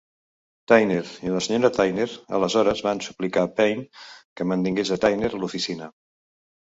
Tyner i la senyora Tyner aleshores van suplicar a Payne que mantingués a Tyner a l'oficina.